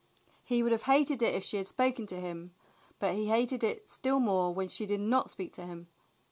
He would have hated it if she had spoken to him, but he hated it still more when she did not speak to him.